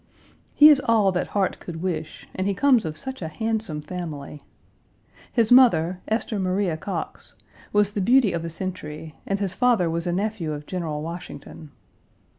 He is all that heart could wish, and he comes of such a handsome family. His mother, Esther Maria Coxe, was the beauty of a century, and his father was a nephew of General Washington.